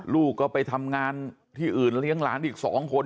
ลูกก็ไปทำงานที่อื่นเลี้ยงหลานอีก๒คน